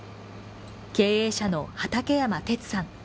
経営者の畠山哲さん。